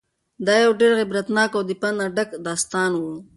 دا یو ډېر عبرتناک او د پند نه ډک داستان و.